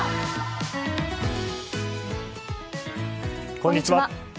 こんにちは。